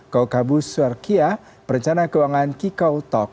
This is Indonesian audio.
kaukabu swarkia perencana keuangan kikau talk